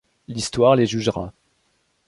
L'Histoire les jugera.